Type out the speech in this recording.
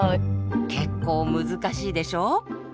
結構難しいでしょ？